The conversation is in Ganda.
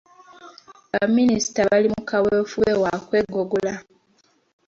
Baminisita bali mu kaweefube wa kwegogola.